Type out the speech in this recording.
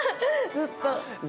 ずっと？